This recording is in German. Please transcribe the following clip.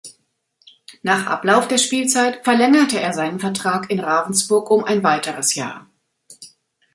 Nach Ablauf der Spielzeit verlängerte er seinen Vertrag in Ravensburg um ein weiteres Jahr.